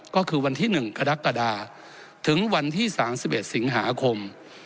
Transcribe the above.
ก็คือวันที่๑กรกฎาถึงวันที่๓๑สิงหาคม